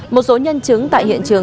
một số nhân chứng tại hiện trường